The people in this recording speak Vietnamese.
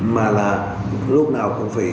mà là lúc nào cũng phải